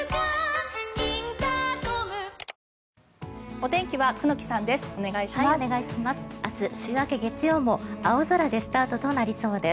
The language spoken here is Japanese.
お天気は久能木さんです。